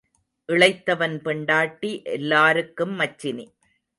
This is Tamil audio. இளைத்தவன் பெண்டாட்டி எல்லாருக்கும் மச்சினி.